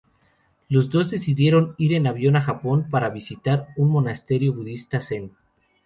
Los dos deciden ir en avión a Japón para visitar un monasterio budista zen.